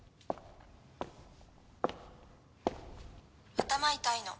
頭痛いの。